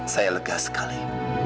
saya lega sekali